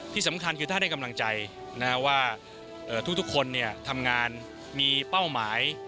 ที่สำคัญคือถ้าได้กำลังใจว่าทุกคนทำงานมีเป้าหมาย